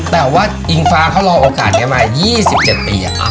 แต่ว่าอิงฟ้าเขารอโอกาสนี้มา๒๗ปี